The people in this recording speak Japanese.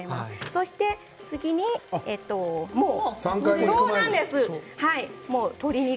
そして次に、鶏肉。